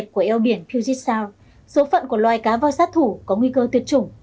theo biển puget sound số phận của loài cá voi sát thủ có nguy cơ tuyệt chủng